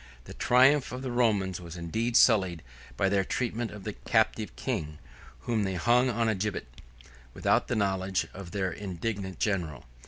91 The triumph of the Romans was indeed sullied by their treatment of the captive king, whom they hung on a gibbet, without the knowledge of their indignant general.